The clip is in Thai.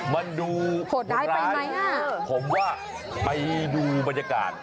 มันดูห่วงร้ายผมว่าไปดูบรรยากาศ